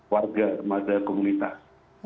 warga kepada komunitas